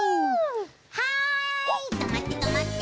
・はいとまってとまって！